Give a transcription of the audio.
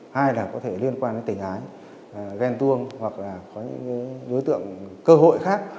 hai là có thể liên quan đến tình ái ghen tuông hoặc là có những đối tượng cơ hội khác